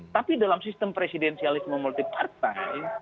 tapi dalam sistem presidensialisme multi partai